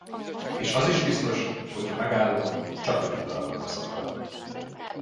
És az is biztos, hogy ha megállok, csakugyan darabokra szaggat.